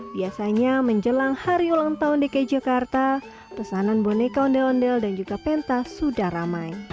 biasanya menjelang hari ulang tahun dki jakarta pesanan boneka ondel ondel dan juga penta sudah ramai